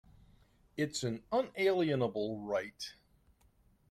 It's an unalienable right.